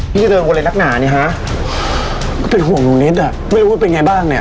ที่จะเดินวลินรักหนานี่ฮะก็เป็นของอนุนิเซ฽น่ะไม่รู้ว่าเป็นยังไงบ้างเนี้ย